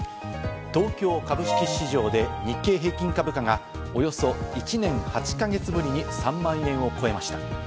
東京株式市場で日経平均株価がおよそ１年８か月ぶりに３万円を超えました。